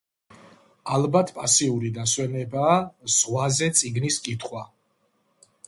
ალბათ მასიური დასვენებაა ზღვაზე წიგნის კითხვა.